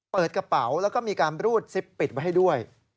เปิดกระเป๋าแล้วก็มีการรูดซิปปิดไว้ให้ด้วย